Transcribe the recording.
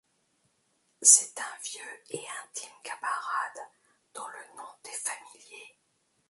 C'est un vieux et intime camarade dont le nom t'est familier.